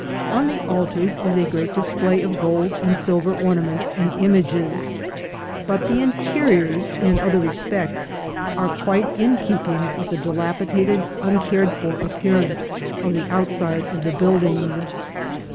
On the altars is a great display of gold and silver ornaments and images; but the interiors, in other re spects, are quite in keeping with the dilapidated un cared for appearance of the outside of the buildings.